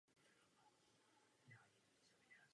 Mezi její kritiky se řadí krom jiných Václav Klaus.